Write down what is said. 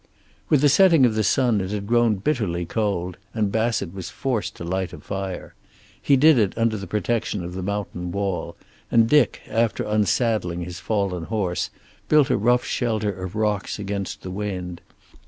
With the setting of the sun it had grown bitterly cold, and Bassett was forced to light a fire. He did it under the protection of the mountain wall, and Dick, after unsaddling his fallen horse, built a rough shelter of rocks against the wind.